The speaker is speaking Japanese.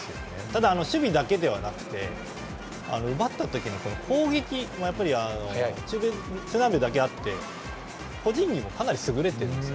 ただ、守備だけではなくて奪った時の攻撃も中南米だけあって個人技もかなり優れてるんです。